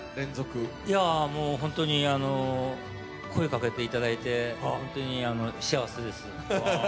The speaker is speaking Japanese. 本当に、声かけていただいて本当に幸せです。